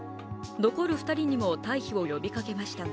残る２人にも退避を呼びかけましたが